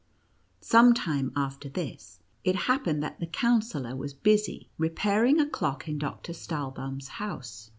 Some time after this, it happened that the Counsellor was busy, repairing a clock in Doctor Stahlbaum's house.